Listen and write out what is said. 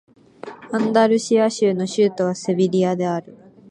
アンダルシア州の州都はセビリアである